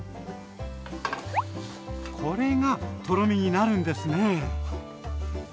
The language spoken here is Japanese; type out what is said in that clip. これがとろみになるんですね。